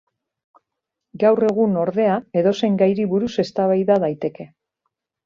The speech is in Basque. Gaur egun, ordea, edozein gairi buruz eztabaida daiteke.